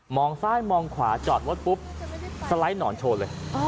องซ้ายมองขวาจอดรถปุ๊บสไลด์หนอนโชว์เลย